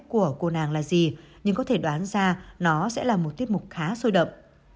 của cô nàng là gì nhưng có thể đoán ra nó sẽ là một tiết mục khá sôi động